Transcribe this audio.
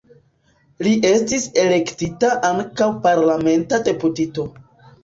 Li estis elektita ankaŭ parlamenta deputito.